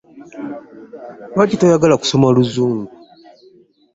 Lwaki toyagala kusoma luzungu?